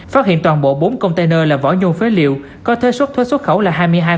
phát hiện toàn bộ bốn container là vỏ nhu phế liệu có thuê xuất thuê xuất khẩu là hai mươi hai